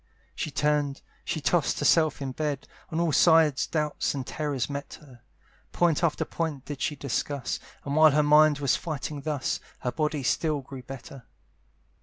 She turned, she toss'd herself in bed, On all sides doubts and terrors met her; Point after point did she discuss; And while her mind was fighting thus, Her body still grew better.